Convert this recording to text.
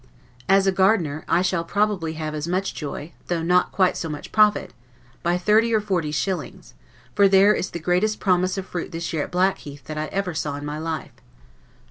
As a gardener, I shall probably have as much joy, though not quite so much profit, by thirty or forty shillings; for there is the greatest promise of fruit this year at 'Blackheath, that ever I saw in my life.